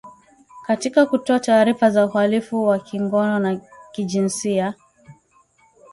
katika kutoa taarifa za uhalifu wa kingono na kijinsia